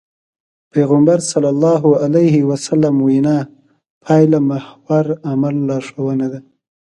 پيغمبر ص وينا پايلهمحور عمل لارښوونه ده.